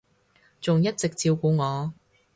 仲一直照顧我